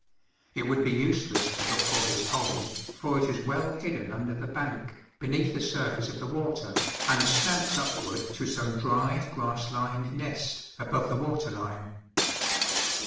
It would be useless to look for his hole, for it is well hidden under the bank, beneath the surface of the water, and slants upward to some dry, grass lined nest above the water line.